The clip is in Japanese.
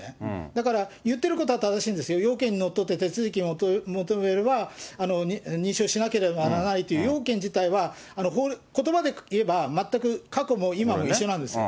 だから、言ってることは正しいんですよ、要件にのっとって手続きを求めれば、認証しなければならないというような要件自体はことばで言えば、全く過去も今も一緒なんです。